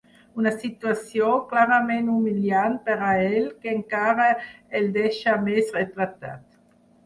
Una situació clarament humiliant per a ell, que encara el deixa més retratat.